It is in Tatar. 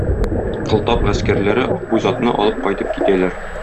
Кылтап гаскәрләре Акбүз атны алып кайтып китәләр.